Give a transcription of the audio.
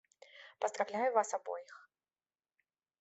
Поздравляю вас обоих.